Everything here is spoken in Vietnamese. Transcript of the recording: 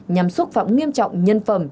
nhằm xúc phạm nghiêm trọng nhân phẩm